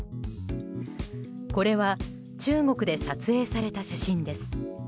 これは中国で撮影された写真です。